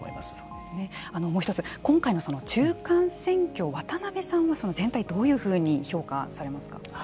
もう一つ、今回の中間選挙を渡辺さんは全体をどういうふうに評価されますか。